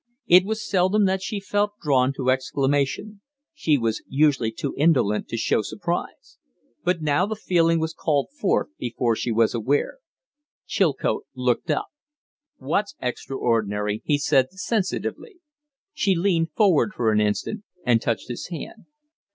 It was seldom that she felt drawn to exclamation. She was usually too indolent to show surprise. But now the feeling was called forth before she was aware. Chilcote looked up. "What's extraordinary?" he said, sensitively. She leaned forward for an instant and touched his hand.